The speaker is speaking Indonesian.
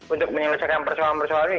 untuk menyelesaikan persoalan persoalan ini